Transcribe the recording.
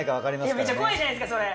めっちゃ怖いじゃないですか。